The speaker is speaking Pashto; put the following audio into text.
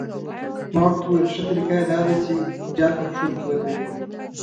ما ورته وویل ښه طریقه یې دا ده چې جال په پښو کې وتړي.